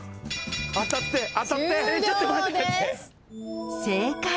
当たって当たって！